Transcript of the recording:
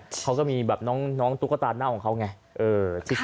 เขาก็มีแบบน้องตุ๊กตาเน่าของเขาไง